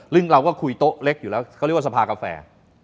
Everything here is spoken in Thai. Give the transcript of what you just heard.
ซึ่งเราก็คุยโต๊ะเล็กอยู่แล้วเขาเรียกว่าสภากาแฟ